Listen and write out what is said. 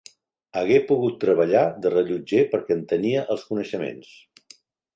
Hagué pogut treballar de rellotger perquè en tenia els coneixements.